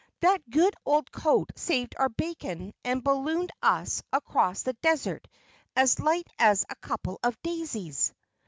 "That good old coat saved our bacon and ballooned us across the desert as light as a couple of daisies."